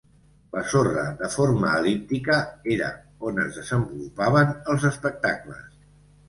La sorra, de forma el·líptica, era on es desenvolupaven els espectacles.